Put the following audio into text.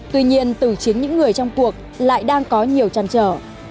tuy nhiên từ chính những người trong cuộc lại đang có nhiều trăn trở